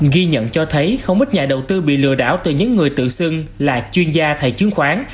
ghi nhận cho thấy không ít nhà đầu tư bị lừa đảo từ những người tự xưng là chuyên gia thầy chứng khoán